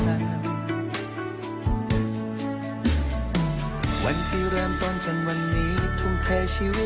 ต้องแค่พูดปกติ